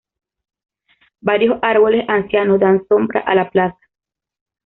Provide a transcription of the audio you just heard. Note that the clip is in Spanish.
Varios árboles ancianos dan sombra a la plaza.